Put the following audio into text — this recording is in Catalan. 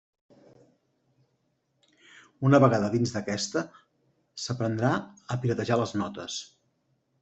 Una vegada dins d'aquesta s'aprendrà a piratejar les notes.